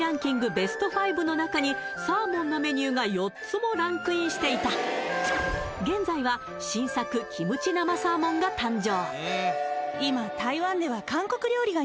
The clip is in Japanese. ベスト５の中にサーモンのメニューが４つもランクインしていた現在は新作キムチ生サーモンが誕生！